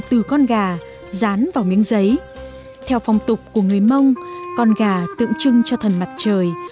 trong tục của người mông con gà tượng trưng cho thần mặt trời